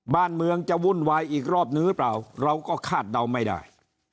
บ้านเมืองจะวุ่นวายอีกรอบนึงหรือเปล่าเราก็คาดเดาไม่ได้